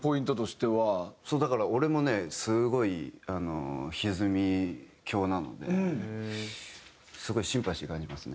だから俺もねすごい歪み狂なのですごいシンパシー感じますね。